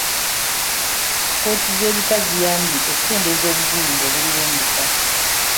Kkooti z'ebika ziyambye okukendeeza obugulumbo obuliwo mu bika.